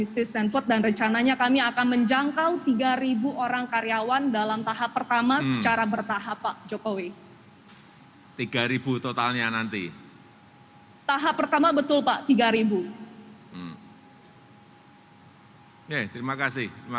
selanjutnya pt indah kiat pulp and paper